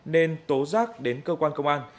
nên tố giác đến cơ quan công an